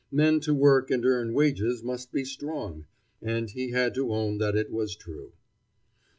Men to work and earn wages must be strong. And he had to own that it was true.